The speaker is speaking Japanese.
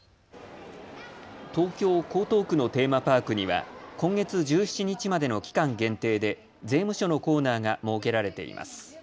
東京江東区のテーマパークには今月１７日までの期間限定で税務署のコーナーが設けられています。